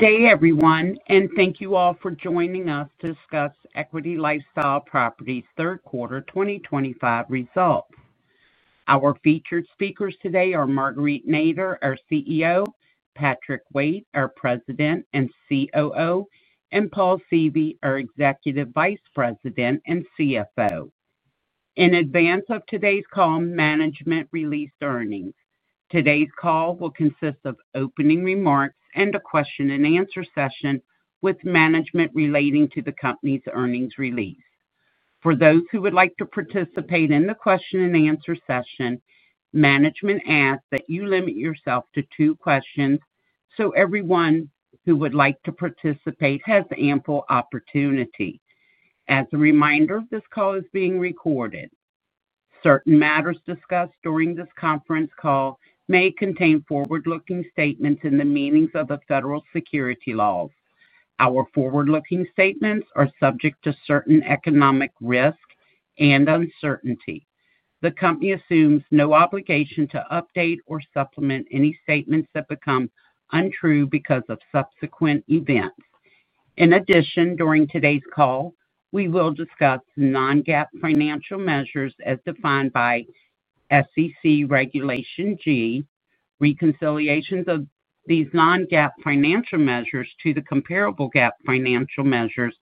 Hey everyone, and thank you all for joining us to discuss Equity LifeStyle Properties' third quarter 2025 results. Our featured speakers today are Marguerite Nader, our CEO, Patrick Waite, our President and COO, and Paul Seavey, our Executive Vice President and CFO. In advance of today's call, management released earnings. Today's call will consist of opening remarks and a question and answer session with management relating to the company's earnings release. For those who would like to participate in the question and answer session, management asks that you limit yourself to two questions, so everyone who would like to participate has ample opportunity. As a reminder, this call is being recorded. Certain matters discussed during this conference call may contain forward-looking statements in the meanings of the federal securities laws. Our forward-looking statements are subject to certain economic risk and uncertainty. The company assumes no obligation to update or supplement any statements that become untrue because of subsequent events. In addition, during today's call, we will discuss non-GAAP financial measures as defined by SEC Regulation G. Reconciliations of these non-GAAP financial measures to the comparable GAAP financial measures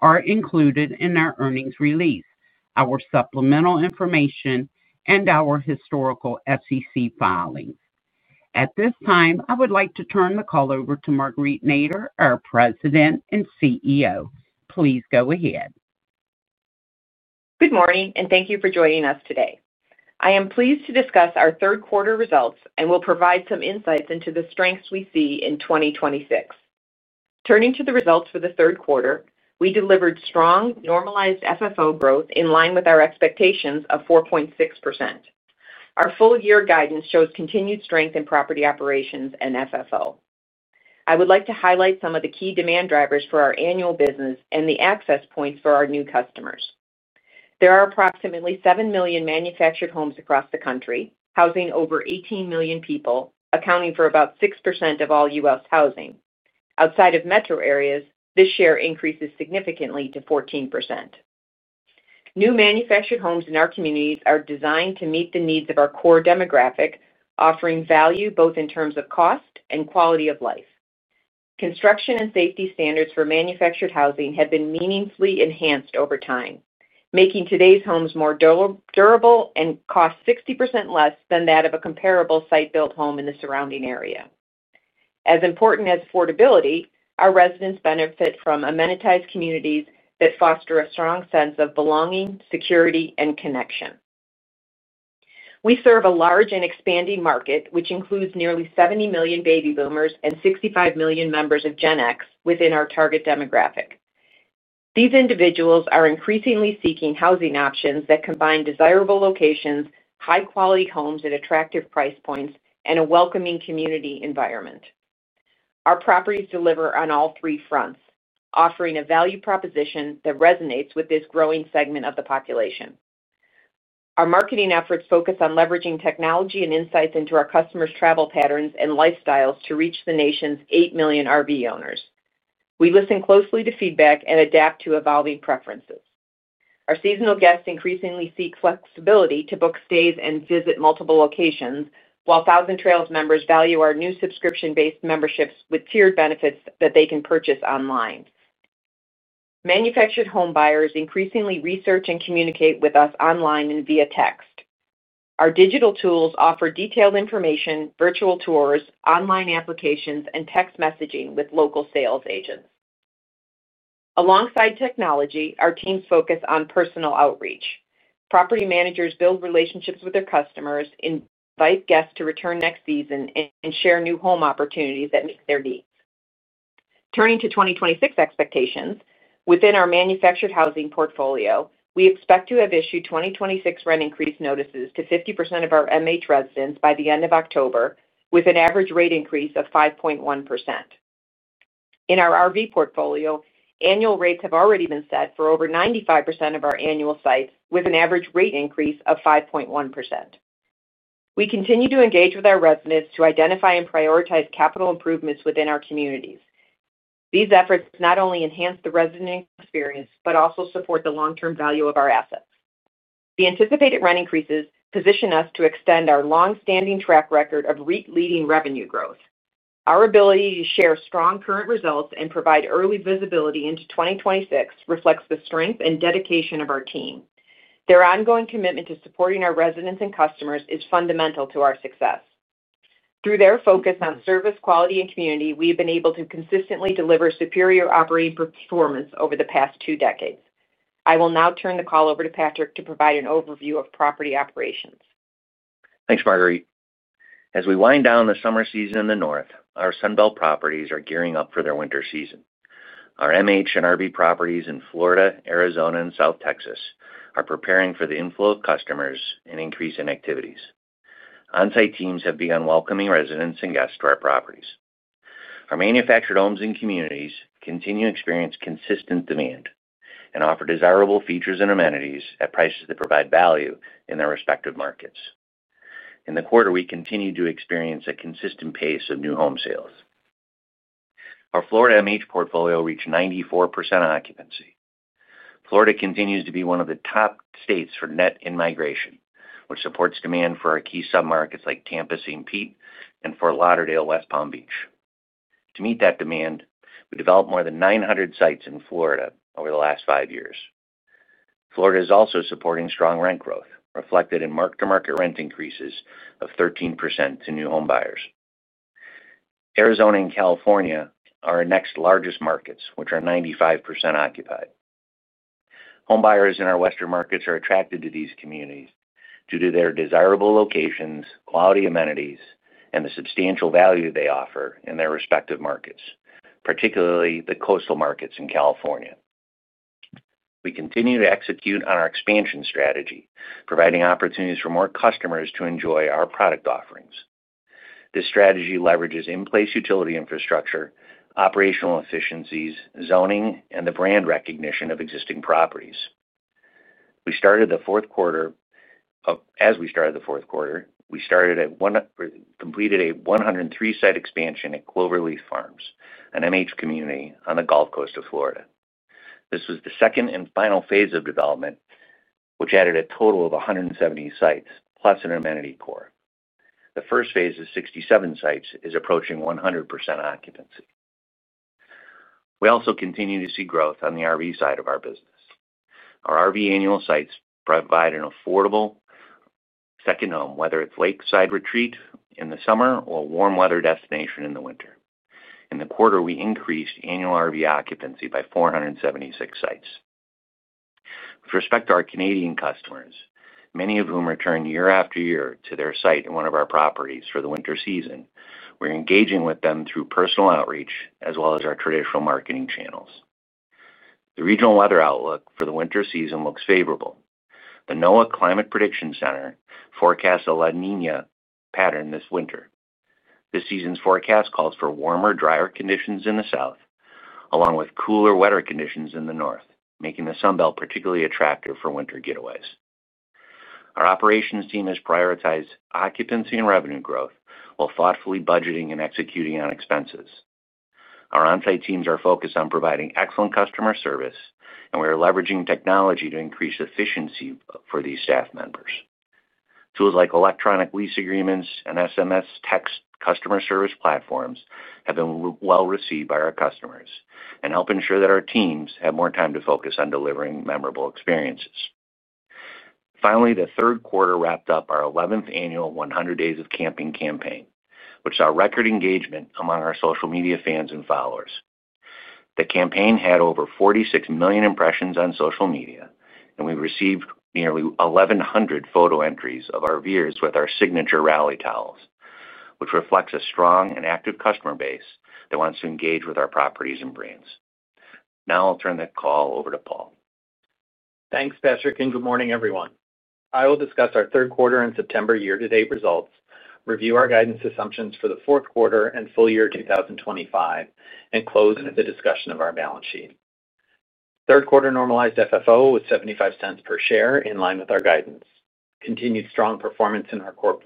are included in our earnings release, our supplemental information, and our historical SEC filings. At this time, I would like to turn the call over to Marguerite Nader, our President and CEO. Please go ahead. Good morning and thank you for joining us today. I am pleased to discuss our third quarter results and will provide some insights into the strengths we see in 2026. Turning to the results for the third quarter, we delivered strong normalized FFO growth in line with our expectations of 4.6%. Our full-year guidance shows continued strength in property operations and FFO. I would like to highlight some of the key demand drivers for our annual business and the access points for our new customers. There are approximately 7 million manufactured homes across the country, housing over 18 million people, accounting for about 6% of all U.S. housing. Outside of metro areas, this share increases significantly to 14%. New manufactured homes in our communities are designed to meet the needs of our core demographic, offering value both in terms of cost and quality of life. Construction and safety standards for manufactured housing have been meaningfully enhanced over time, making today's homes more durable and cost 60% less than that of a comparable site-built home in the surrounding area. As important as affordability, our residents benefit from amenitized communities that foster a strong sense of belonging, security, and connection. We serve a large and expanding market, which includes nearly 70 million baby boomers and 65 million members of Gen X within our target demographic. These individuals are increasingly seeking housing options that combine desirable locations, high-quality homes at attractive price points, and a welcoming community environment. Our properties deliver on all three fronts, offering a value proposition that resonates with this growing segment of the population. Our marketing efforts focus on leveraging technology and insights into our customers' travel patterns and lifestyles to reach the nation's 8 million RV owners. We listen closely to feedback and adapt to evolving preferences. Our seasonal guests increasingly seek flexibility to book stays and visit multiple locations, while Thousand Trails members value our new subscription-based memberships with tiered benefits that they can purchase online. Manufactured home buyers increasingly research and communicate with us online and via text. Our digital tools offer detailed information, virtual tours, online applications, and text messaging with local sales agents. Alongside technology, our teams focus on personal outreach. Property managers build relationships with their customers, invite guests to return next season, and share new home opportunities that meet their needs. Turning to 2026 expectations, within our manufactured housing portfolio, we expect to have issued 2026 rent increase notices to 50% of our MH residents by the end of October, with an average rate increase of 5.1%. In our RV portfolio, annual rates have already been set for over 95% of our annual sites, with an average rate increase of 5.1%. We continue to engage with our residents to identify and prioritize capital improvements within our communities. These efforts not only enhance the resident experience but also support the long-term value of our assets. The anticipated rent increases position us to extend our long-standing track record of leading revenue growth. Our ability to share strong current results and provide early visibility into 2026 reflects the strength and dedication of our team. Their ongoing commitment to supporting our residents and customers is fundamental to our success. Through their focus on service, quality, and community, we have been able to consistently deliver superior operating performance over the past two decades. I will now turn the call over to Patrick to provide an overview of property operations. Thanks, Marguerite. As we wind down the summer season in the north, our Sunbelt properties are gearing up for their winter season. Our MH and RV properties in Florida, Arizona, and South Texas are preparing for the inflow of customers and increase in activities. Onsite teams have begun welcoming residents and guests to our properties. Our manufactured homes and communities continue to experience consistent demand and offer desirable features and amenities at prices that provide value in their respective markets. In the quarter, we continue to experience a consistent pace of new home sales. Our Florida MH portfolio reached 94% on occupancy. Florida continues to be one of the top states for net in-migration, which supports demand for our key submarkets like Tampa, St. Pete, and Fort Lauderdale, West Palm Beach. To meet that demand, we developed more than 900 sites in Florida over the last five years. Florida is also supporting strong rent growth, reflected in marked market rent increases of 13% to new home buyers. Arizona and California are our next largest markets, which are 95% occupied. Home buyers in our Western markets are attracted to these communities due to their desirable locations, quality amenities, and the substantial value they offer in their respective markets, particularly the Coastal markets in California. We continue to execute on our expansion strategy, providing opportunities for more customers to enjoy our product offerings. This strategy leverages in-place utility infrastructure, operational efficiencies, zoning, and the brand recognition of existing properties. We started the fourth quarter, completed a 103-site expansion at Cloverleaf Farms, an MH community on the Gulf Coast of Florida. This was the second and final phase of development, which added a total of 170 sites plus an amenity core. The first phase of 67 sites is approaching 100% occupancy. We also continue to see growth on the RV side of our business. Our RV annual sites provide an affordable second home, whether it's a lakeside retreat in the summer or a warm weather destination in the winter. In the quarter, we increased annual RV occupancy by 476 sites. With respect to our Canadian customers, many of whom return year after year to their site in one of our properties for the winter season, we're engaging with them through personal outreach as well as our traditional marketing channels. The regional weather outlook for the winter season looks favorable. The NOAA Climate Prediction Center forecasts a La Niña pattern this winter. This season's forecast calls for warmer, drier conditions in the South, along with cooler weather conditions in the North, making the Sunbelt particularly attractive for winter getaways. Our operations team has prioritized occupancy and revenue growth while thoughtfully budgeting and executing on expenses. Our onsite teams are focused on providing excellent customer service, and we are leveraging technology to increase efficiency for these staff members. Tools like electronic lease agreements and SMS text customer service platforms have been well-received by our customers and help ensure that our teams have more time to focus on delivering memorable experiences. Finally, the third quarter wrapped up our 11th annual 100 Days of Camping Campaign, which saw record engagement among our social media fans and followers. The campaign had over 46 million impressions on social media, and we received nearly 1,100 photo entries of our viewers with our signature rally towels, which reflects a strong and active customer base that wants to engage with our properties and brands. Now I'll tUrn the call over to Paul. Thanks, Patrick, and good morning, everyone. I will discuss our third quarter and September year-to-date results, review our guidance assumptions for the fourth quarter and full year 2025, and close with a discussion of our balance sheet. Third quarter normalized FFO was $0.75 per share in line with our guidance. Continued strong performance in our core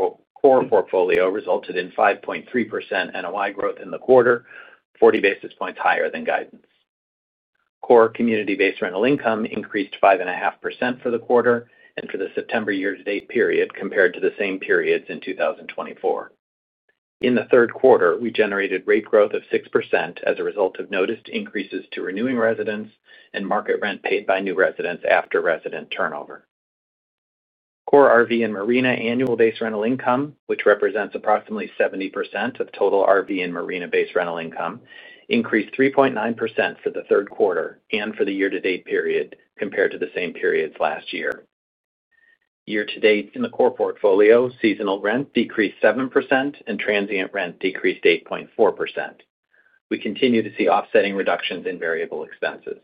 portfolio resulted in 5.3% NOI growth in the quarter, 40 basis points higher than guidance. Core community-based rental income increased 5.5% for the quarter and for the September year-to-date period compared to the same periods in 2024. In the third quarter, we generated rate growth of 6% as a result of noticed increases to renewing residents and market rent paid by new residents after resident turnover. Core RV and Marina annual base rental income, which represents approximately 70% of total RV and Marina base rental income, increased 3.9% for the third quarter and for the year-to-date period compared to the same periods last year. Year-to-date in the core portfolio, seasonal rent decreased 7% and transient rent decreased 8.4%. We continue to see offsetting reductions in variable expenses.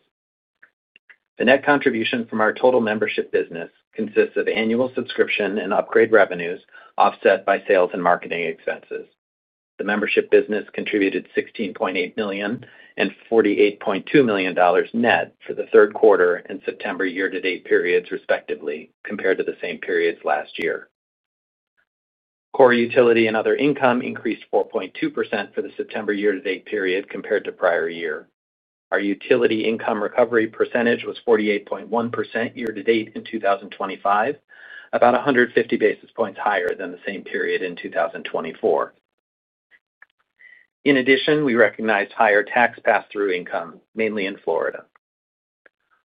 The net contribution from our total membership business consists of annual subscription and upgrade revenues offset by sales and marketing expenses. The membership business contributed $16.8 million and $48.2 million net for the third quarter and September year-to-date periods, respectively, compared to the same periods last year. Core utility and other income increased 4.2% for the September year-to-date period compared to prior year. Our utility income recovery percentage was 48.1% year-to-date in 2025, about 150 basis points higher than the same period in 2024. In addition, we recognized higher tax pass-through income, mainly in Florida.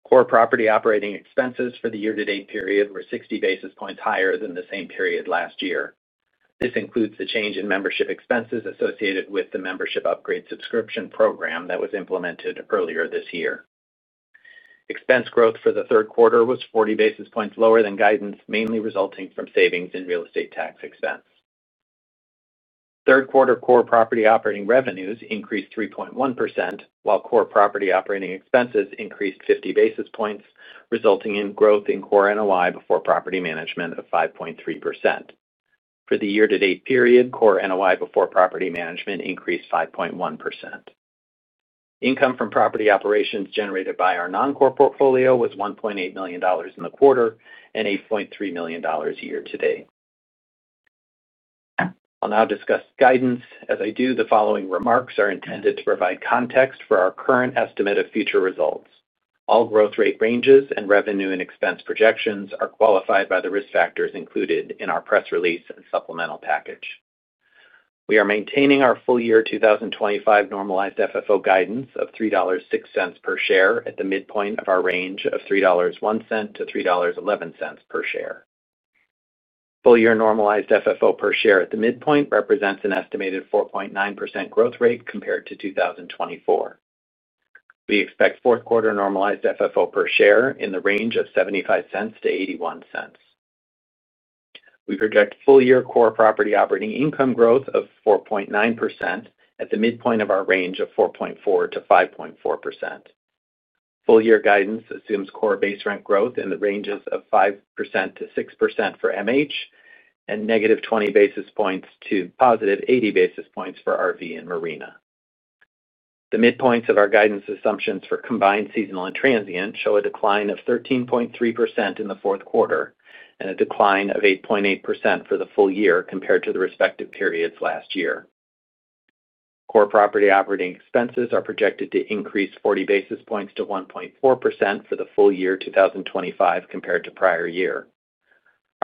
Core property operating expenses for the year-to-date period were 60 basis points higher than the same period last year. This includes the change in membership expenses associated with the membership upgrade subscription program that was implemented earlier this year. Expense growth for the third quarter was 40 basis points lower than guidance, mainly resulting from savings in real estate tax expense. Third quarter core property operating revenues increased 3.1%, while core property operating expenses increased 50 basis points, resulting in growth in core NOI before property management of 5.3%. For the year-to-date period, core NOI before property management increased 5.1%. Income from property operations generated by our non-core portfolio was $1.8 million in the quarter and $8.3 million year-to-date. I'll now discuss guidance. As I do, the following remarks are intended to provide context for our current estimate of future results. All growth rate ranges and revenue and expense projections are qualified by the risk factors included in our press release and supplemental package. We are maintaining our full year 2025 normalized FFO guidance of $3.06 per share at the midpoint of our range of $3.01-$3.11 per share. Full year normalized FFO per share at the midpoint represents an estimated 4.9% growth rate compared to 2024. We expect fourth quarter normalized FFO per share in the range of $0.75-$0.81. We project full year core property operating income growth of 4.9% at the midpoint of our range of 4.4%-5.4%. Full year guidance assumes core base rent growth in the ranges of 5%-6% for MH and -20 basis points to +80 basis points for RV and Marina. The midpoints of our guidance assumptions for combined seasonal and transient show a decline of 13.3% in the fourth quarter and a decline of 8.8% for the full year compared to the respective periods last year. Core property operating expenses are projected to increase 40 basis points to 1.4% for the full year 2025 compared to prior year.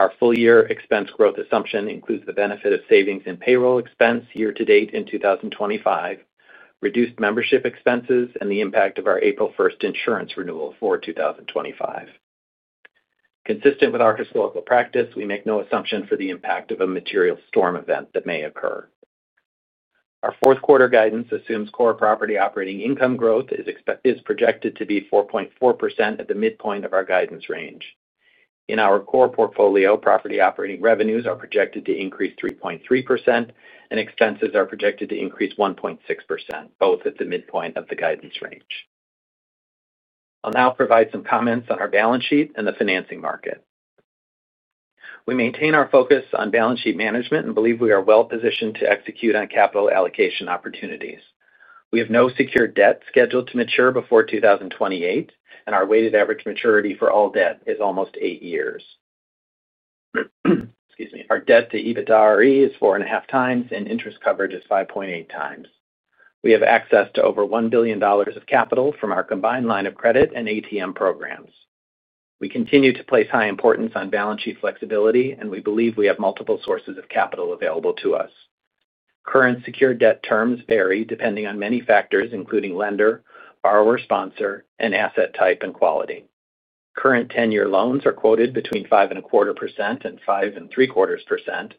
Our full year expense growth assumption includes the benefit of savings in payroll expense year-to-date in 2025, reduced membership expenses, and the impact of our April 1 insurance renewal for 2025. Consistent with our historical practice, we make no assumption for the impact of a material storm event that may occur. Our fourth quarter guidance assumes core property operating income growth is projected to be 4.4% at the midpoint of our guidance range. In our core portfolio, property operating revenues are projected to increase 3.3% and expenses are projected to increase 1.6%, both at the midpoint of the guidance range. I'll now provide some comments on our balance sheet and the financing market. We maintain our focus on balance sheet management and believe we are well-positioned to execute on capital allocation opportunities. We have no secured debt scheduled to mature before 2028, and our weighted average maturity for all debt is almost eight years. Our debt-to-EBITDAre ratio is 4.5x and interest coverage is 5.8x. We have access to over $1 billion of capital from our combined line of credit and ATM programs. We continue to place high importance on balance sheet flexibility, and we believe we have multiple sources of capital available to us. Current secured debt terms vary depending on many factors, including lender, borrower sponsor, and asset type and quality. Current 10-year loans are quoted between 5.25% and 5.75%,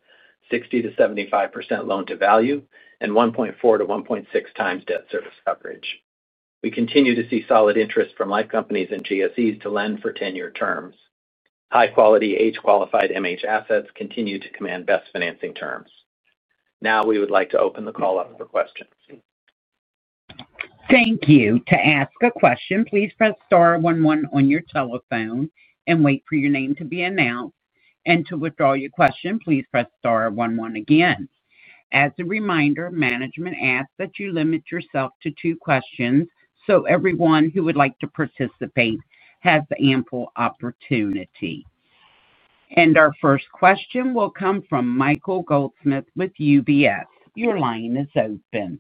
60%-75% loan to value, and 1.4x-1.6x debt service coverage. We continue to see solid interest from life companies and GSEs to lend for 10-year terms. High-quality age-qualified MH assets continue to command best financing terms. Now we would like to open the call up for questions. Thank you. To ask a question, please press star one one on your telephone and wait for your name to be announced. To withdraw your question, please press star one one again. As a reminder, management asked that you limit yourself to two questions so everyone who would like to participate has ample opportunity. Our first question will come from Michael Goldsmith with UBS. Your line is open.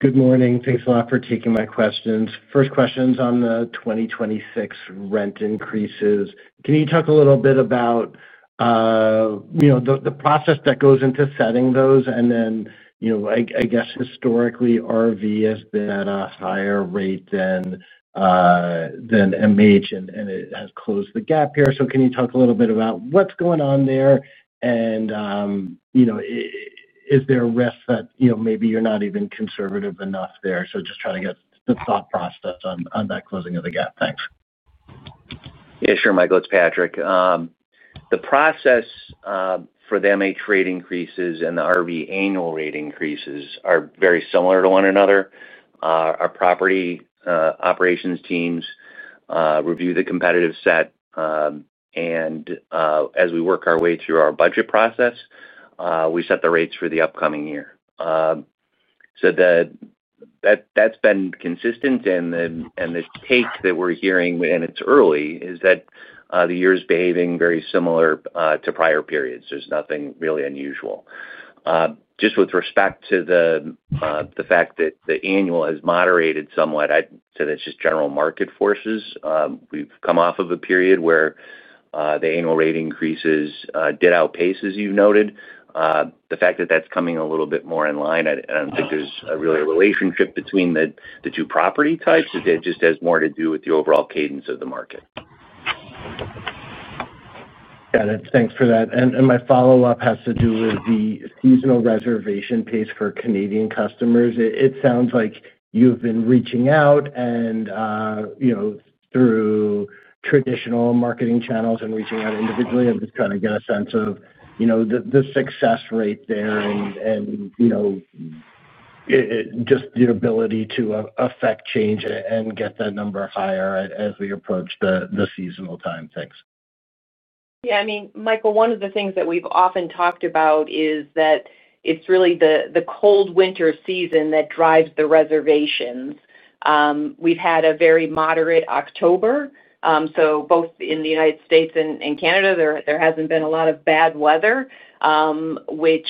Good morning. Thanks a lot for taking my questions. First question is on the 2026 rent increases. Can you talk a little bit about the process that goes into setting those? Historically, RV has been at a higher rate than MH, and it has closed the gap here. Can you talk a little bit about what's going on there? Is there a risk that maybe you're not even conservative enough there? Just trying to get the thought process on that closing of the gap. Thanks. Yeah, sure, Michael. It's Patrick. The process for the MH rate increases and the RV annual rate increases are very similar to one another. Our property operations teams review the competitive set, and as we work our way through our budget process, we set the rates for the upcoming year. That's been consistent, and the take that we're hearing, and it's early, is that the year is behaving very similar to prior periods. There's nothing really unusual. Just with respect to the fact that the annual has moderated somewhat, I'd say that's just general market forces. We've come off of a period where the annual rate increases did outpace, as you've noted. The fact that that's coming a little bit more in line, I don't think there's really a relationship between the two property types. It just has more to do with the overall cadence of the market. Got it. Thanks for that. My follow-up has to do with the seasonal reservation pace for Canadian customers. It sounds like you've been reaching out through traditional marketing channels and reaching out individually. I'm just trying to get a sense of the success rate there and your ability to affect change and get that number higher as we approach the seasonal time. Thanks. Yeah, I mean, Michael, one of the things that we've often talked about is that it's really the cold winter season that drives the reservations. We've had a very moderate October. In the United States and Canada, there hasn't been a lot of bad weather, which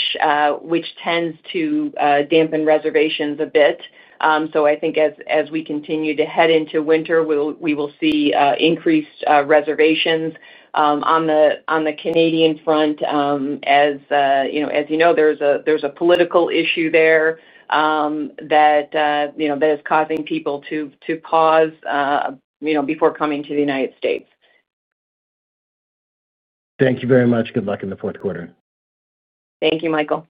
tends to dampen reservations a bit. I think as we continue to head into winter, we will see increased reservations. On the Canadian front, as you know, there's a political issue there that is causing people to pause before coming to the United States. Thank you very much. Good luck in the fourth quarter. Thank you, Michael.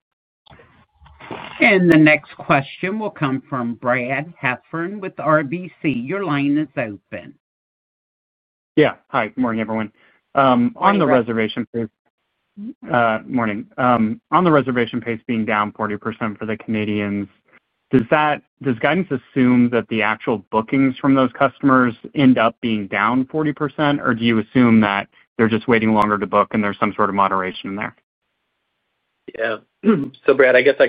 The next question will come from Brad Heffern with RBC. Your line is open. Hey, good morning everyone. Morning, [Brad]. Morning. On the reservation pace being down 40% for the Canadians, does guidance assume that the actual bookings from those customers end up being down 40%, or do you assume that they're just waiting longer to book and there's some sort of moderation in there? Yeah. Brad, I guess I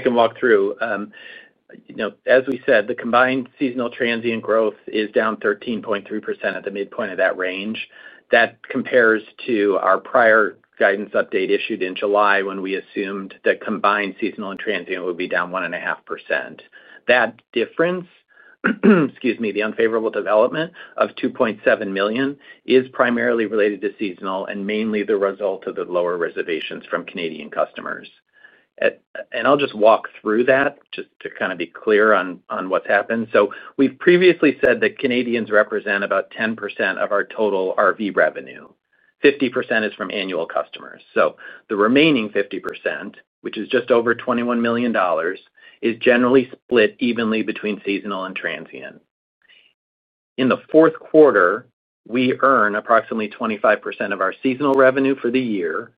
can walk through. As we said, the combined seasonal transient growth is down 13.3% at the midpoint of that range. That compares to our prior guidance update issued in July when we assumed that combined seasonal and transient would be down 1.5%. That difference, excuse me, the unfavorable development of $2.7 million is primarily related to seasonal and mainly the result of the lower reservations from Canadian customers. I'll just walk through that to kind of be clear on what's happened. We've previously said that Canadians represent about 10% of our total RV revenue. 50% is from annual customers. The remaining 50%, which is just over $21 million, is generally split evenly between seasonal and transient. In the fourth quarter, we earn approximately 25% of our seasonal revenue for the year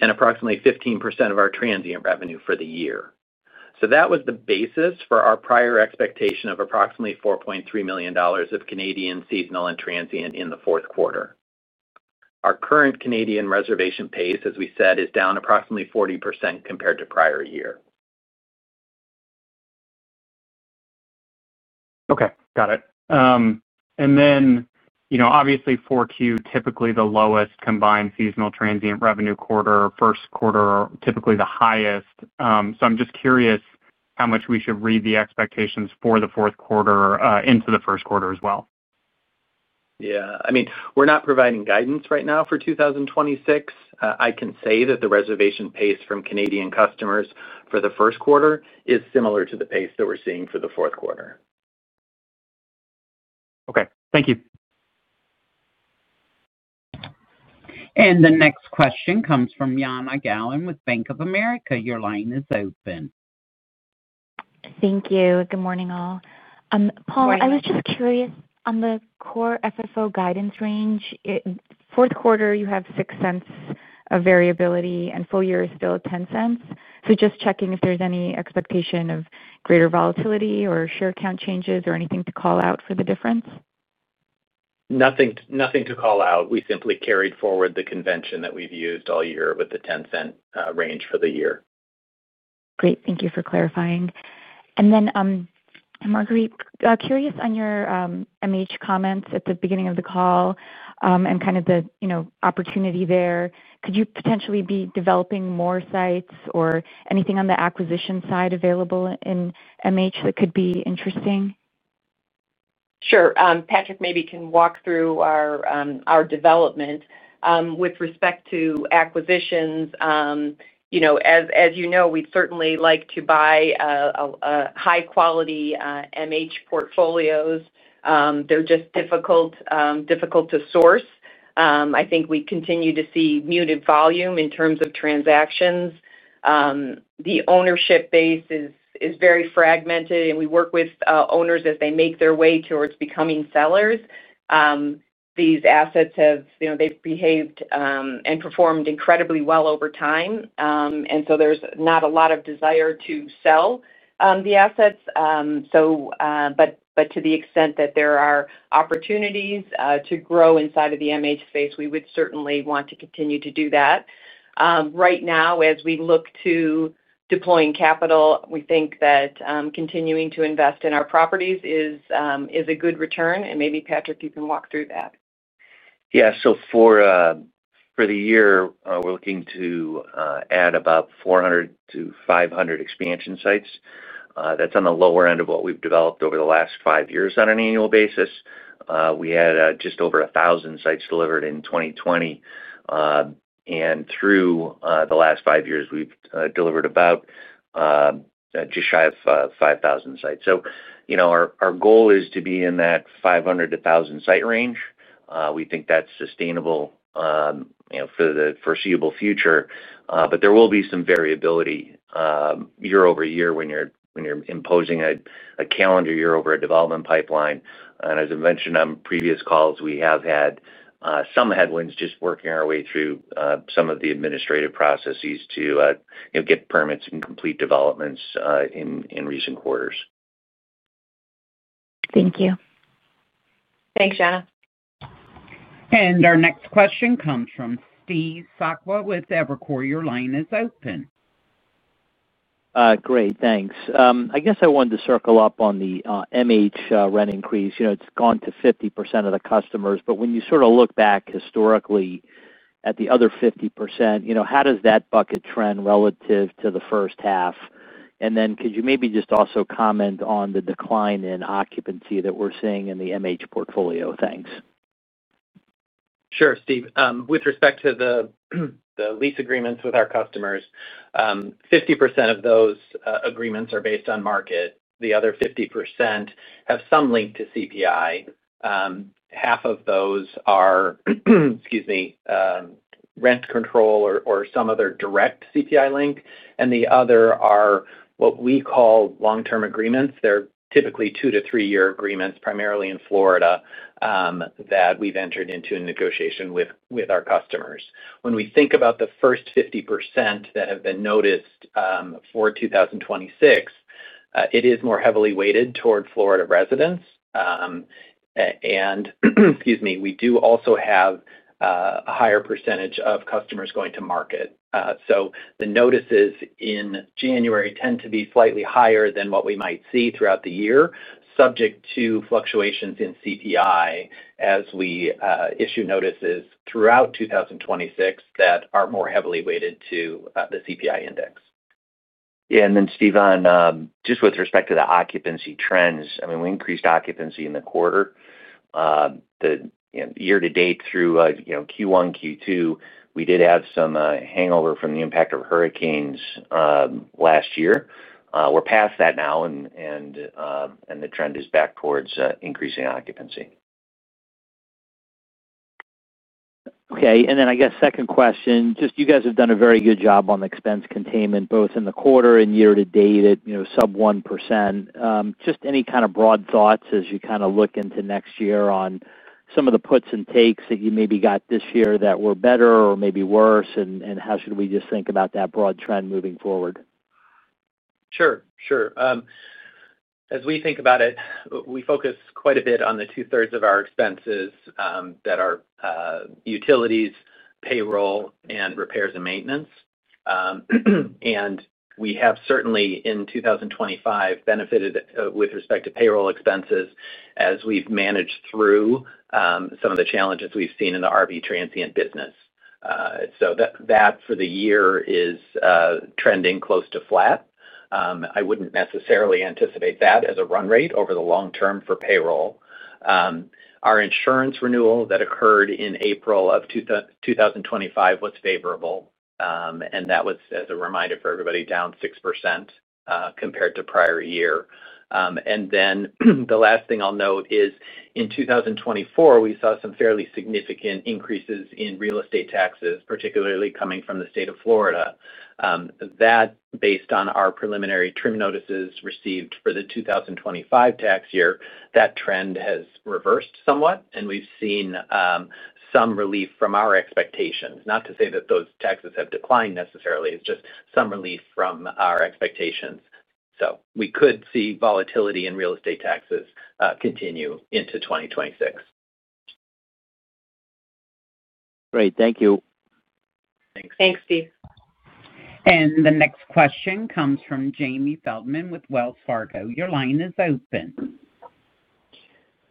and approximately 15% of our transient revenue for the year. That was the basis for our prior expectation of approximately $4.3 million of Canadian seasonal and transient in the fourth quarter. Our current Canadian reservation pace, as we said, is down approximately 40% compared to prior year. Okay. Got it. Obviously, 4Q is typically the lowest combined seasonal transient revenue quarter, and first quarter is typically the highest. I'm just curious how much we should read the expectations for the fourth quarter into the first quarter as well. Yeah. I mean, we're not providing guidance right now for 2026. I can say that the reservation pace from Canadian customers for the first quarter is similar to the pace that we're seeing for the fourth quarter. Okay, thank you. The next question comes from Jana Galan with Bank of America. Your line is open. Thank you. Good morning all. Paul, I was just curious on the core FFO guidance range. Fourth quarter, you have $0.06 of variability, and full year is still at $0.10. Just checking if there's any expectation of greater volatility or share count changes or anything to call out for the difference. Nothing to call out. We simply carried forward the convention that we've used all year with the $0.10 range for the year. Great. Thank you for clarifying. Marguerite, curious on your MH comments at the beginning of the call and kind of the opportunity there. Could you potentially be developing more sites or anything on the acquisition side available in MH that could be interesting? Sure. Patrick maybe can walk through our development. With respect to acquisitions, as you know, we'd certainly like to buy high-quality MH portfolios. They're just difficult to source. I think we continue to see muted volume in terms of transactions. The ownership base is very fragmented, and we work with owners as they make their way towards becoming sellers. These assets have behaved and performed incredibly well over time, and there's not a lot of desire to sell the assets. To the extent that there are opportunities to grow inside of the MH space, we would certainly want to continue to do that. Right now, as we look to deploying capital, we think that continuing to invest in our properties is a good return. Maybe, Patrick, you can walk through that. Yeah. For the year, we're looking to add about 400-500 expansion sites. That's on the lower end of what we've developed over the last five years on an annual basis. We had just over 1,000 sites delivered in 2020. Through the last five years, we've delivered just shy of 5,000 sites. Our goal is to be in that 500-1,000 site range. We think that's sustainable for the foreseeable future. There will be some variability year-over-year when you're imposing a calendar year over a development pipeline. As I mentioned on previous calls, we have had some headwinds just working our way through some of the administrative processes to get permits and complete developments in recent quarters. Thank you. Thanks, Jana. Our next question comes from Steve Sakwa with Evercore. Your line is open. Great. Thanks. I guess I wanted to circle up on the MH rent increase. You know, it's gone to 50% of the customers. When you sort of look back historically at the other 50%, you know, how does that bucket trend relative to the first half? Could you maybe just also comment on the decline in occupancy that we're seeing in the MH portfolio? Thanks. Sure, Steve. With respect to the lease agreements with our customers, 50% of those agreements are based on market. The other 50% have some link to CPI. Half of those are rent control or some other direct CPI link. The other are what we call long-term agreements. They're typically two to three-year agreements, primarily in Florida, that we've entered into a negotiation with our customers. When we think about the first 50% that have been noticed for 2026, it is more heavily weighted toward Florida residents. We do also have a higher percentage of customers going to market. The notices in January tend to be slightly higher than what we might see throughout the year, subject to fluctuations in CPI as we issue notices throughout 2026 that are more heavily weighted to the CPI index. Yeah, Steve, with respect to the occupancy trends, we increased occupancy in the quarter. Year-to-date through Q1 and Q2, we did have some hangover from the impact of hurricanes last year. We're past that now, and the trend is back towards increasing occupancy. Okay. I guess second question, you guys have done a very good job on the expense containment, both in the quarter and year-to-date at sub-1%. Any kind of broad thoughts as you look into next year on some of the puts and takes that you maybe got this year that were better or maybe worse, and how should we just think about that broad trend moving forward? As we think about it, we focus quite a bit on the 2/3 of our expenses that are utilities, payroll, and repairs and maintenance. We have certainly in 2025 benefited with respect to payroll expenses as we've managed through some of the challenges we've seen in the RV transient business. For the year, that is trending close to flat. I wouldn't necessarily anticipate that as a run rate over the long-term for payroll. Our insurance renewal that occurred in April of 2025 was favorable. That was, as a reminder for everybody, down 6% compared to prior year. The last thing I'll note is in 2024, we saw some fairly significant increases in real estate taxes, particularly coming from the state of Florida. Based on our preliminary trim notices received for the 2025 tax year, that trend has reversed somewhat, and we've seen some relief from our expectations. Not to say that those taxes have declined necessarily. It's just some relief from our expectations. We could see volatility in real estate taxes continue into 2026. Great. Thank you. Thanks. Thanks, Steve. The next question comes from Jamie Feldman with Wells Fargo. Your line is open.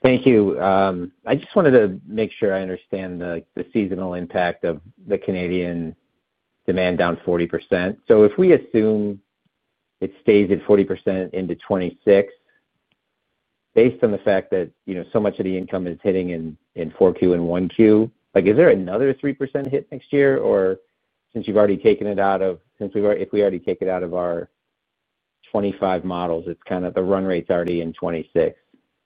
Thank you. I just wanted to make sure I understand the seasonal impact of the Canadian demand down 40%. If we assume it stays at 40% into 2026, based on the fact that so much of the income is hitting in 4Q and 1Q, is there another 3% hit next year, or since you've already taken it out of, since we've already, if we already take it out of our 2025 models, it's kind of the run rate's already in 2026.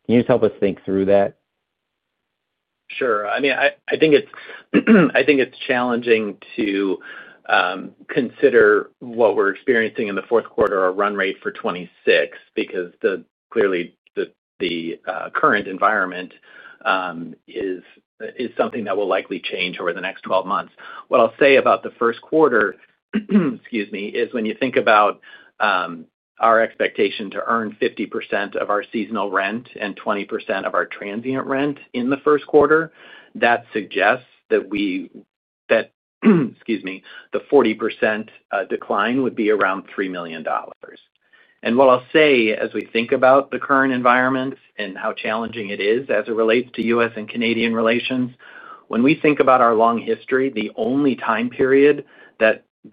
Can you just help us think through that? Sure. I mean, I think it's challenging to consider what we're experiencing in the fourth quarter our run rate for 2026, because clearly the current environment is something that will likely change over the next 12 months. What I'll say about the first quarter is when you think about our expectation to earn 50% of our seasonal rent and 20% of our transient rent in the first quarter, that suggests that the 40% decline would be around $3 million. What I'll say as we think about the current environment and how challenging it is as it relates to U.S. and Canadian relations, when we think about our long history, the only time period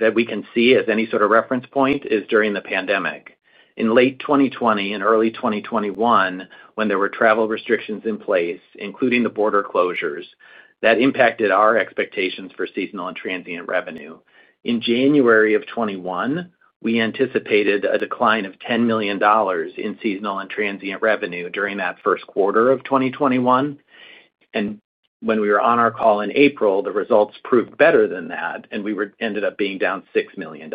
that we can see as any sort of reference point is during the pandemic. In late 2020 and early 2021, when there were travel restrictions in place, including the border closures, that impacted our expectations for seasonal and transient revenue. In January 2021, we anticipated a decline of $10 million in seasonal and transient revenue during that first quarter of 2021. When we were on our call in April, the results proved better than that, and we ended up being down $6 million.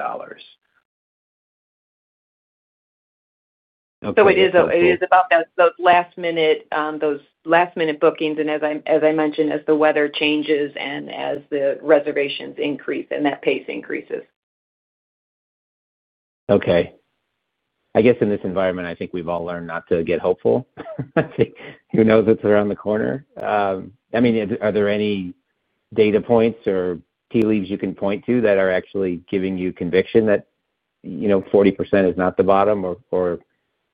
It is about those last-minute bookings. As I mentioned, as the weather changes and as the reservations increase, that pace increases. Okay. I guess in this environment, I think we've all learned not to get hopeful. I think who knows what's around the corner? I mean, are there any data points or tea leaves you can point to that are actually giving you conviction that, you know,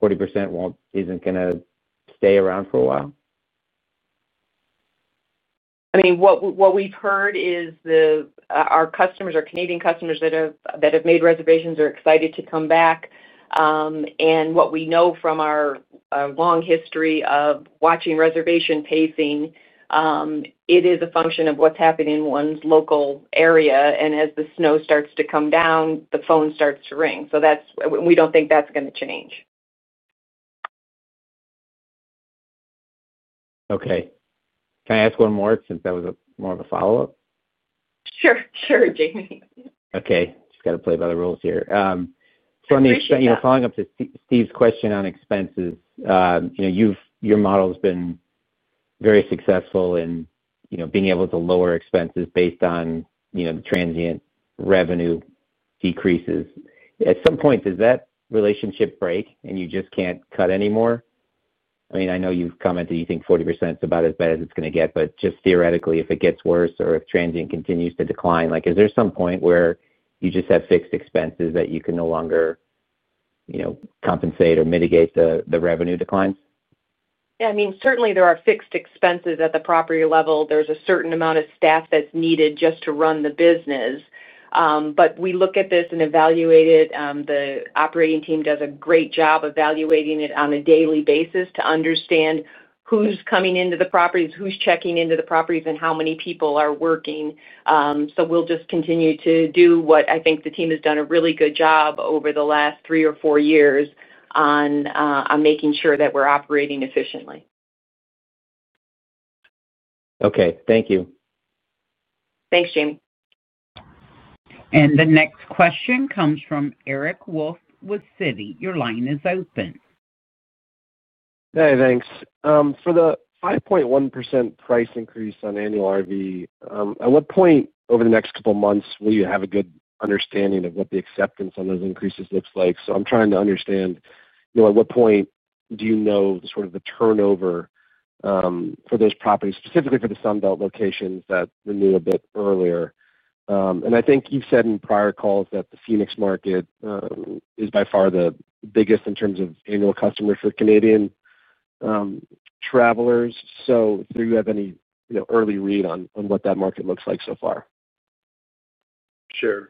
40% is not the bottom or 40% isn't going to stay around for a while? I mean, what we've heard is our customers, our Canadian customers that have made reservations are excited to come back. What we know from our long history of watching reservation pacing, it is a function of what's happening in one's local area. As the snow starts to come down, the phone starts to ring. We don't think that's going to change. Okay. Can I ask one more since that was more of a follow-up? Sure, Jamie. Okay. Just got to play by the rules here. On the following up to Steve's question on expenses, your model's been very successful in being able to lower expenses based on the transient revenue decreases. At some point, does that relationship break and you just can't cut anymore? I mean, I know you've commented you think 40% is about as bad as it's going to get, but just theoretically, if it gets worse or if transient continues to decline, is there some point where you just have fixed expenses that you can no longer compensate or mitigate the revenue declines? Yeah. I mean, certainly, there are fixed expenses at the property level. There's a certain amount of staff that's needed just to run the business. We look at this and evaluate it. The operating team does a great job evaluating it on a daily basis to understand who's coming into the properties, who's checking into the properties, and how many people are working. We'll just continue to do what I think the team has done a really good job over the last three or four years on making sure that we're operating efficiently. Okay, thank you. Thanks, Jamie. The next question comes from Eric Wolfe with Citi. Your line is open. Hey, thanks. For the 5.1% price increase on annual RV, at what point over the next couple of months will you have a good understanding of what the acceptance on those increases looks like? I'm trying to understand at what point do you know the sort of the turnover for those properties, specifically for the Sunbelt locations that renew a bit earlier. I think you've said in prior calls that the Phoenix market is by far the biggest in terms of annual customers for Canadian travelers. Do you have any early read on what that market looks like so far? Sure.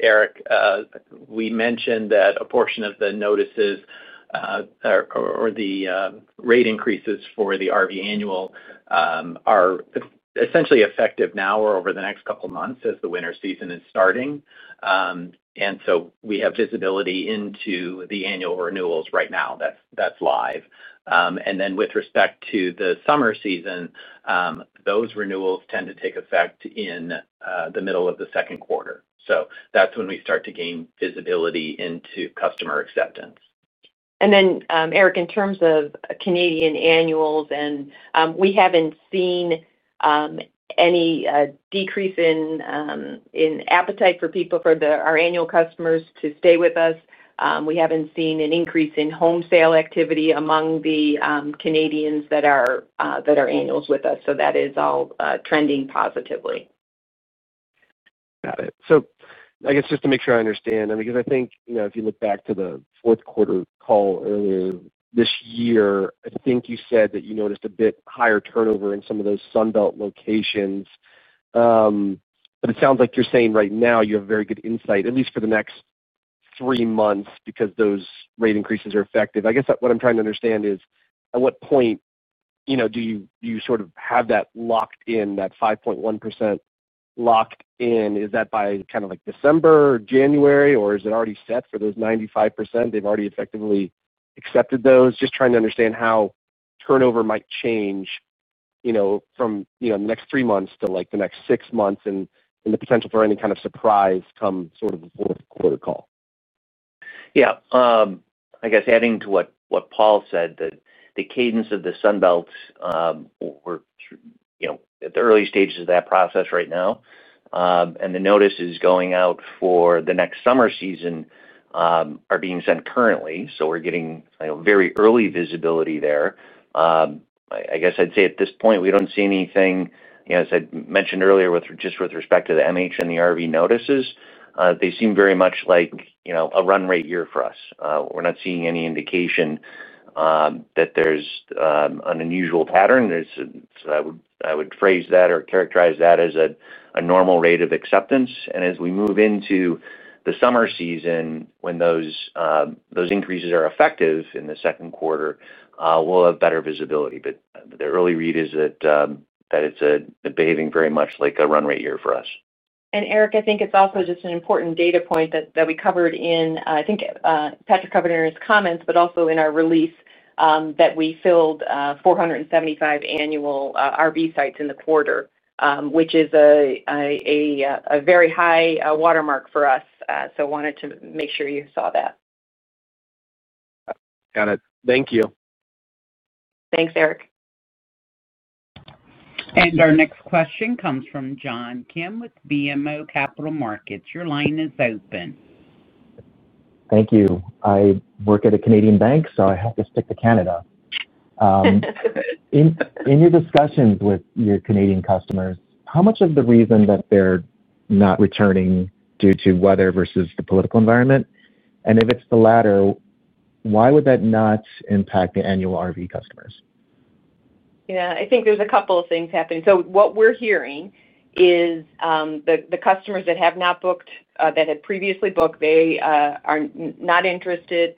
Eric, we mentioned that a portion of the notices or the rate increases for the RV annual are essentially effective now or over the next couple of months as the winter season is starting. We have visibility into the annual renewals right now. That's live. With respect to the summer season, those renewals tend to take effect in the middle of the second quarter. That's when we start to gain visibility into customer acceptance. Eric, in terms of Canadian annuals, we haven't seen any decrease in appetite for people, for our annual customers to stay with us. We haven't seen an increase in home sale activity among the Canadians that are annuals with us. That is all trending positively. Got it. I guess just to make sure I understand, I mean, if you look back to the fourth quarter call earlier this year, I think you said that you noticed a bit higher turnover in some of those Sunbelt locations. It sounds like you're saying right now you have very good insight, at least for the next three months, because those rate increases are effective. I guess what I'm trying to understand is at what point do you sort of have that locked in, that 5.1% locked in? Is that by kind of like December or January, or is it already set for those 95%? They've already effectively accepted those? Just trying to understand how turnover might change in the next three months to the next six months and the potential for any kind of surprise come the fourth quarter call. Yeah. I guess adding to what Paul said, the cadence of the Sunbelt, we're at the early stages of that process right now. The notices going out for the next summer season are being sent currently. We're getting very early visibility there. I guess I'd say at this point, we don't see anything, as I mentioned earlier, just with respect to the MH and the RV notices. They seem very much like a run rate year for us. We're not seeing any indication that there's an unusual pattern. I would phrase that or characterize that as a normal rate of acceptance. As we move into the summer season, when those increases are effective in the second quarter, we'll have better visibility. The early read is that it's behaving very much like a run rate year for us. Eric, I think it's also just an important data point that we covered in, I think, Patrick covered in his comments, but also in our release that we filled 475 annual RV sites in the quarter, which is a very high watermark for us. I wanted to make sure you saw that. Got it. Thank you. Thanks, Eric. Our next question comes from John Kim with BMO Capital Markets. Your line is open. Thank you. I work at a Canadian bank, so I have to stick to Canada. In your discussions with your Canadian customers, how much of the reason that they're not returning is due to weather versus the political environment? If it's the latter, why would that not impact the annual RV customers? Yeah. I think there's a couple of things happening. What we're hearing is the customers that have not booked, that had previously booked, they are not interested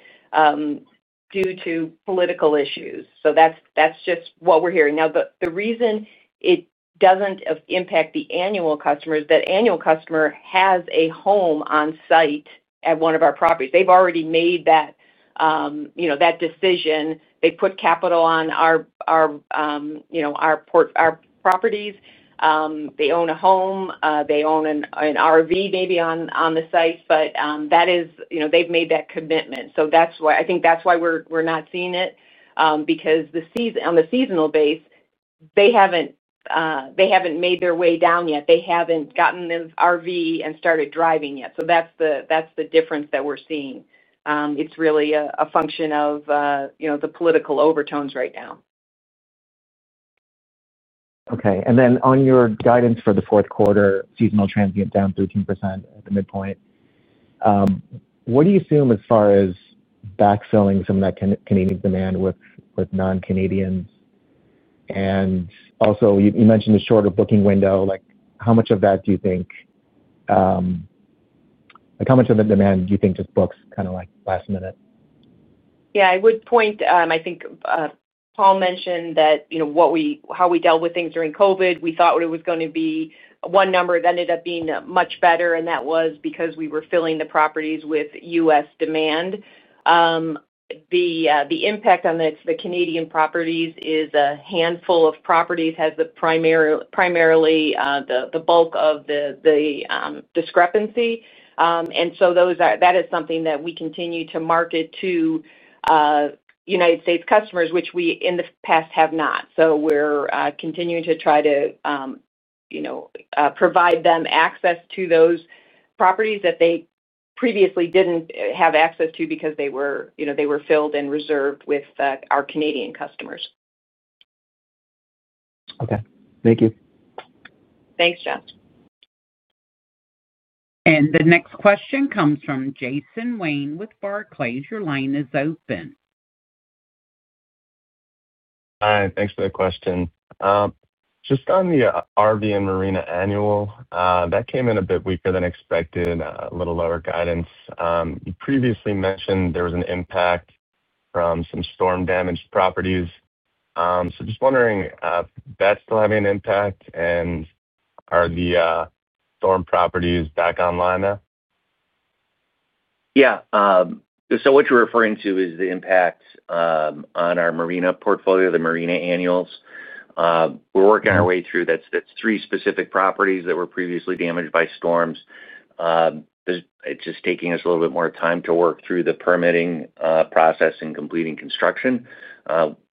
due to political issues. That's just what we're hearing. The reason it doesn't impact the annual customer is that annual customer has a home on site at one of our properties. They've already made that decision. They've put capital on our properties. They own a home. They own an RV maybe on the site. That is, they've made that commitment. That's why I think that's why we're not seeing it, because on the seasonal base, they haven't made their way down yet. They haven't gotten an RV and started driving yet. That's the difference that we're seeing. It's really a function of the political overtones right now. Okay. On your guidance for the fourth quarter, seasonal transient down 13% at the midpoint, what do you assume as far as backfilling some of that Canadian demand with non-Canadians? You mentioned a shorter booking window. How much of that do you think, how much of the demand do you think just books kind of last minute? Yeah. I would point, I think Paul mentioned that, you know, how we dealt with things during COVID, we thought it was going to be one number that ended up being much better, and that was because we were filling the properties with U.S. demand. The impact on the Canadian properties is a handful of properties has primarily the bulk of the discrepancy. That is something that we continue to market to United States customers, which we in the past have not. We're continuing to try to provide them access to those properties that they previously didn't have access to because they were filled and reserved with our Canadian customers. Okay, thank you. Thanks, John. The next question comes from Jason Wayne with Barclays. Your line is open. Hi. Thanks for the question. Just on the RV and Marina annual, that came in a bit weaker than expected, a little lower guidance. You previously mentioned there was an impact from some storm-damaged properties. Just wondering, that's still having an impact, and are the storm properties back online now? Yeah, what you're referring to is the impact on our Marina portfolio, the Marina annuals. We're working our way through three specific properties that were previously damaged by storms. It's just taking us a little bit more time to work through the permitting process and completing construction.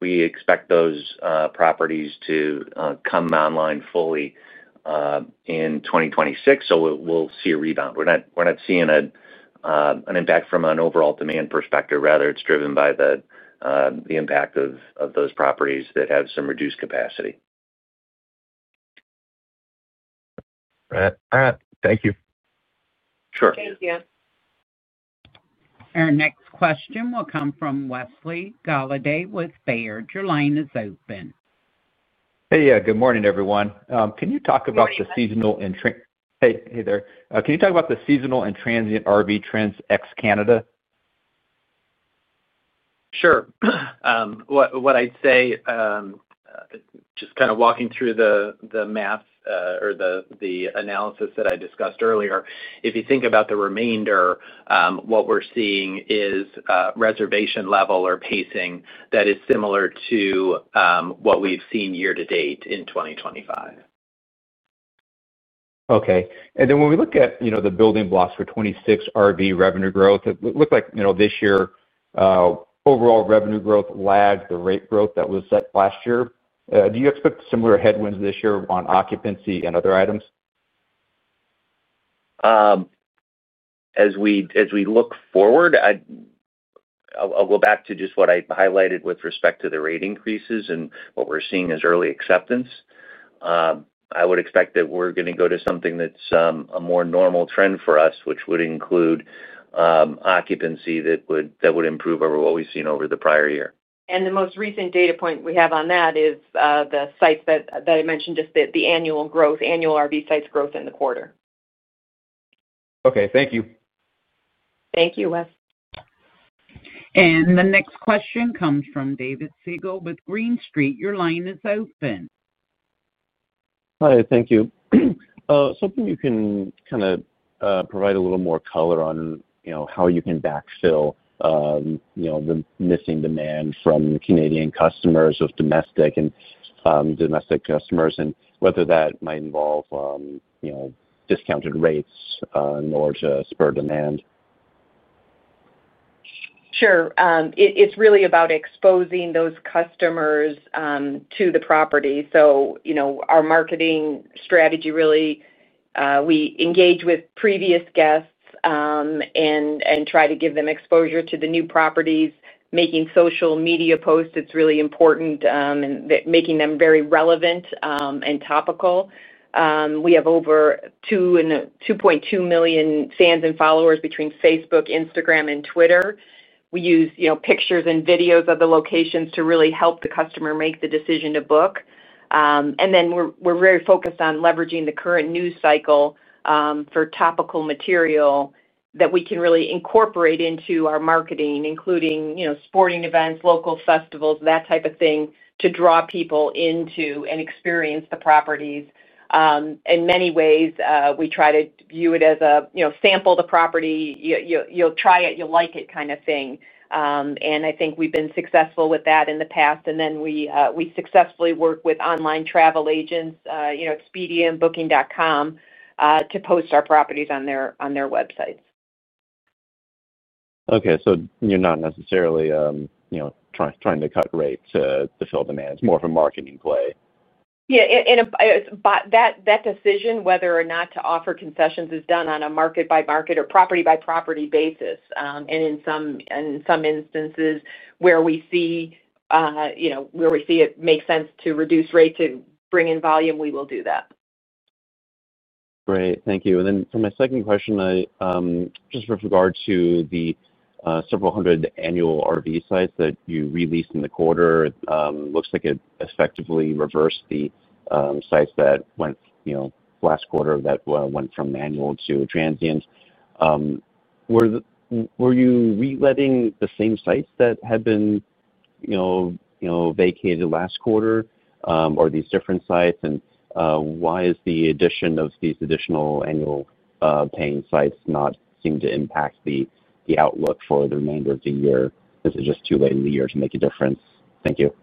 We expect those properties to come online fully in 2026. We'll see a rebound. We're not seeing an impact from an overall demand perspective. Rather, it's driven by the impact of those properties that have some reduced capacity. All right. Thank you. Sure. Thank you. Our next question will come from Wesley Golladay with Baird. Your line is open. Good morning, everyone. Can you talk about the seasonal and transient RV trends ex-Canada? Sure. What I'd say, just kind of walking through the math or the analysis that I discussed earlier, if you think about the remainder, what we're seeing is reservation level or pacing that is similar to what we've seen year to date in 2025. Okay. When we look at the building blocks for 2026 RV revenue growth, it looks like this year, overall revenue growth lagged the rate growth that was set last year. Do you expect similar headwinds this year on occupancy and other items? As we look forward, I'll go back to just what I highlighted with respect to the rate increases and what we're seeing as early acceptance. I would expect that we're going to go to something that's a more normal trend for us, which would include occupancy that would improve over what we've seen over the prior year. The most recent data point we have on that is the sites that I mentioned, just the annual growth, annual RV sites' growth in the quarter. Okay, thank you. Thank you, Wes. The next question comes from David Segall with Green Street. Your line is open. Hi. Thank you. Can you provide a little more color on how you can backfill the missing demand from Canadian customers and domestic customers, and whether that might involve discounted rates in order to spur demand? Sure. It's really about exposing those customers to the property. Our marketing strategy really, we engage with previous guests and try to give them exposure to the new properties, making social media posts. It's really important and making them very relevant and topical. We have over 2.2 million fans and followers between Facebook, Instagram, and Twitter. We use pictures and videos of the locations to really help the customer make the decision to book. We are very focused on leveraging the current news cycle for topical material that we can really incorporate into our marketing, including sporting events, local festivals, that type of thing to draw people in to and experience the properties. In many ways, we try to view it as a sample the property, you'll try it, you'll like it kind of thing. I think we've been successful with that in the past. We successfully work with online travel agents, Expedia and Booking.com, to post our properties on their websites. Okay. You're not necessarily trying to cut rates to fill demands. It's more of a marketing play. Yeah. That decision, whether or not to offer concessions, is done on a market-by-market or property-by-property basis. In some instances, where we see it makes sense to reduce rates and bring in volume, we will do that. Great. Thank you. For my second question, just with regard to the several hundred annual RV sites that you released in the quarter, it looks like it effectively reversed the sites that went last quarter that went from annual to transient. Were you reletting the same sites that had been vacated last quarter or are these different sites? Why does the addition of these additional annual paying sites not seem to impact the outlook for the remainder of the year? Is it just too late in the year to make a difference? Thank you.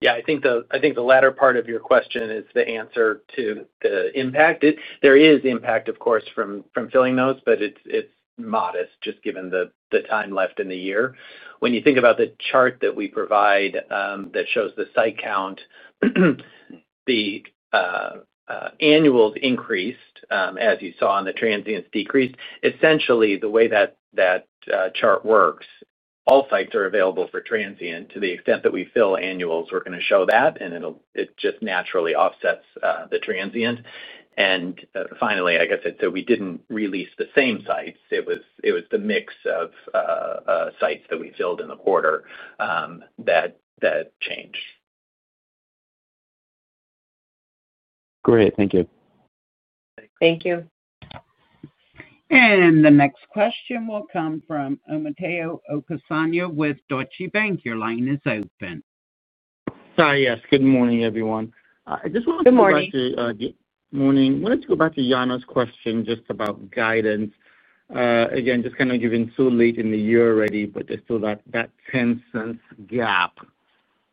Yeah. I think the latter part of your question is the answer to the impact. There is impact, of course, from filling those, but it's modest just given the time left in the year. When you think about the chart that we provide that shows the site count, the annuals increased as you saw and the transients decreased. Essentially, the way that chart works, all sites are available for transient. To the extent that we fill annuals, we're going to show that, and it just naturally offsets the transient. Finally, like I said, we didn't release the same sites. It was the mix of sites that we filled in the quarter that changed. Great. Thank you. Thank you. The next question will come from Omotayo Okusanya with Deutsche Bank. Your line is open. Hi. Yes, good morning, everyone. Good morning. Morning. I wanted to go back to Jana's question just about guidance. Given so late in the year already, there's still that $0.10 gap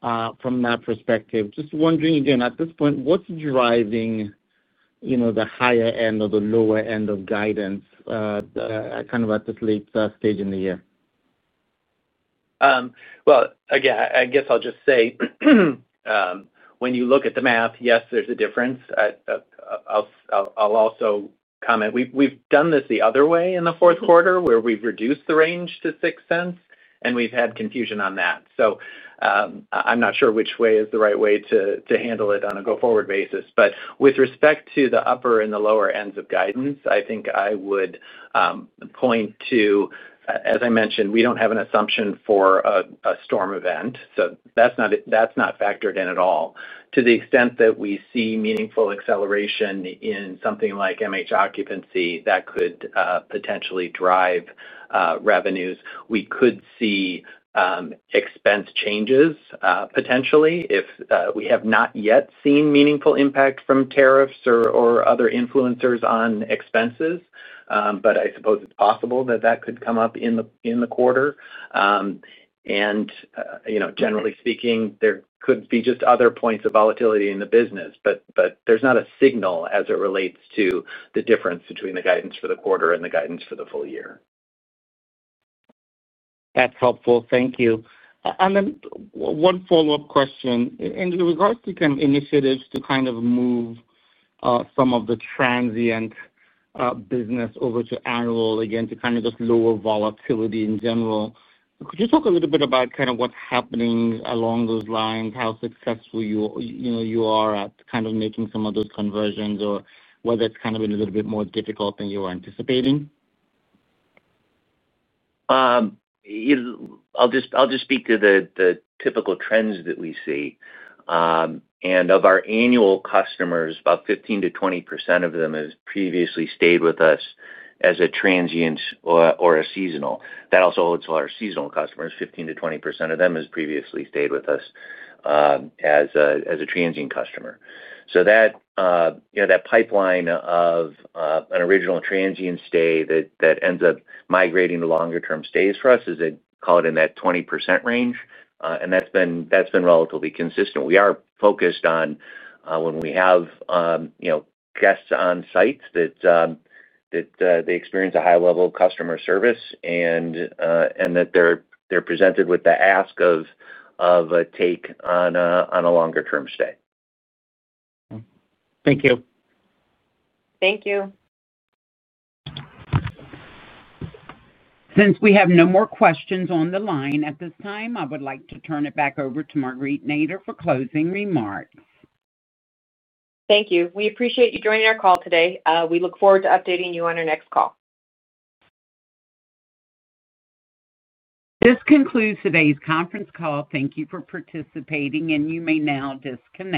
from that perspective. Just wondering, at this point, what's driving the higher end or the lower end of guidance at this late stage in the year? I guess I'll just say when you look at the math, yes, there's a difference. I'll also comment, we've done this the other way in the fourth quarter where we've reduced the range to $0.06, and we've had confusion on that. I'm not sure which way is the right way to handle it on a go-forward basis. With respect to the upper and the lower ends of guidance, I think I would point to, as I mentioned, we don't have an assumption for a storm event. That's not factored in at all. To the extent that we see meaningful acceleration in something like MH occupancy that could potentially drive revenues, we could see expense changes potentially if we have not yet seen meaningful impact from tariffs or other influencers on expenses. I suppose it's possible that that could come up in the quarter. Generally speaking, there could be just other points of volatility in the business. There's not a signal as it relates to the difference between the guidance for the quarter and the guidance for the full year. That's helpful. Thank you. One follow-up question. In regards to initiatives to move some of the transient business over to annual, again, to just lower volatility in general, could you talk a little bit about what's happening along those lines, how successful you are at making some of those conversions, or whether it's been a little bit more difficult than you were anticipating? I'll just speak to the typical trends that we see. Of our annual customers, about 15%-20% of them have previously stayed with us as a transient or a seasonal. That also holds for our seasonal customers; 15%-20% of them have previously stayed with us as a transient customer. That pipeline of an original transient stay that ends up migrating to longer-term stays for us is, I'd call it, in that 20% range. That's been relatively consistent. We are focused on when we have guests on site that they experience a high-level customer service and that they're presented with the ask of a take on a longer-term stay. Thank you. Thank you. Since we have no more questions on the line at this time, I would like to turn it back over to Marguerite Nader for closing remarks. Thank you. We appreciate you joining our call today. We look forward to updating you on our next call. This concludes today's conference call. Thank you for participating, and you may now disconnect.